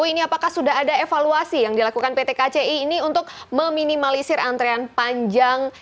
ini apakah sudah ada evaluasi yang dilakukan pt kci ini untuk meminimalisir antrean panjang